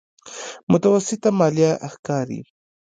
متوسطه ماليه ښکاري.